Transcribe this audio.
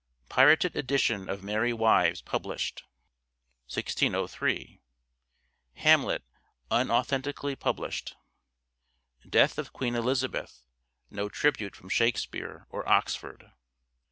Pirated edition of " Merry Wives " published. 1603. " Hamlet " unauthentically published. Death of Queen Elizabeth — no tribute from " Shakespeare " or Oxford.